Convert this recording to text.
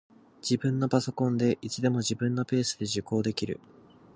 自分のパソコンで、いつでも自分のペースで受講できる